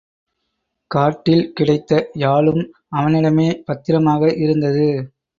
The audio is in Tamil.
காட்டில் கிடைத்த யாழும் அவனிடமே பத்திரமாக இருந்தது.